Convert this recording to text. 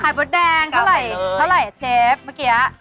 ไขมดแดงเท่าไหร่เชฟเมื่อกี้